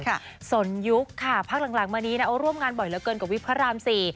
กับสนยุคค่ะหลังมานี้อ่ะร่วมงานบ่อยเยอะเกินกับวิภพรามสี่